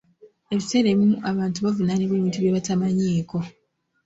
Ebiseera ebimu abantu bavunaanibwa ebintu bye batamanyiiko..